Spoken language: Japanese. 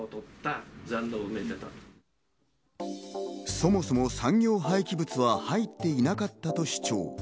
そもそも産業廃棄物は入っていなかったと主張。